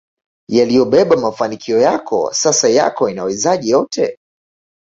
yaliyobeba mafanikio yako Sasa yako inawezaje yote